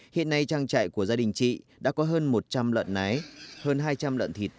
hiện nay trang trại của gia đình chị đã có hơn một trăm linh lợn nái hơn hai trăm linh lợn thịt